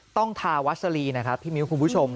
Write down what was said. ต้องทาวัสลีนะครับพี่มิ้วคุณผู้ชม